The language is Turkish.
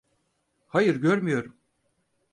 Hayır, görmüyorum.